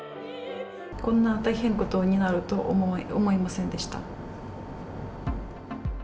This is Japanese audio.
こんな大変なことになると思いませんでした。